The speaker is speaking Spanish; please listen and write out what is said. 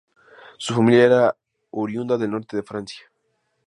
Su familia era oriunda del norte de Francia.